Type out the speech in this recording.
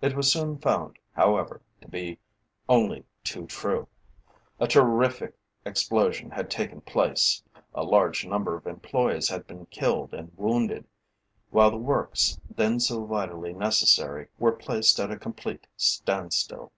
It was soon found, however, to be only too true. A terrific explosion had taken place, a large number of employees had been killed and wounded, while the works, then so vitally necessary, were placed at a complete standstill.